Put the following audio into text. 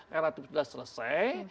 relatif sudah selesai